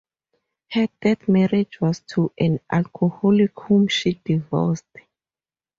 Her third marriage was to an alcoholic whom she divorced.